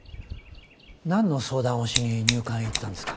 何の相談をしに入管へ行ったんですか？